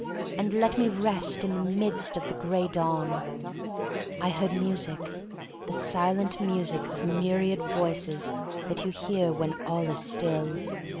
And let me rest in the midst of the Gray Dawn. I heard music — the silent music of myriad voices that you hear when all is still.